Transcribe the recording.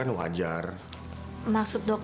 terima kasih pak